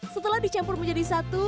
setelah dicampur menjadi satu